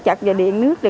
chặt vào điện nước